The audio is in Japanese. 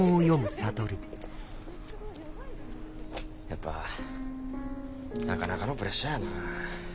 やっぱなかなかのプレッシャーやな。